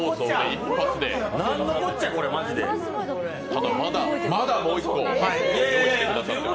ただ、まだもう１個用意してくださってる。